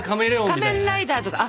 仮面ライダーとか。